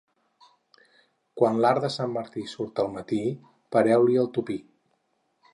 Quan l'arc de sant Martí surt al matí, pareu-li el tupí.